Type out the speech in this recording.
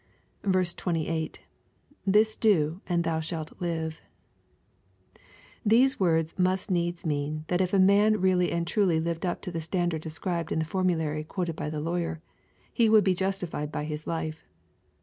28. — [This dOj and ihou shalt live^ These words must needs mean that if a man really and truly lived up to the standard described in the formulary quoted by the lawyer, he would be justified by his life.